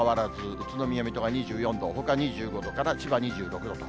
宇都宮、水戸が２４度、ほか２５度から千葉２６度と。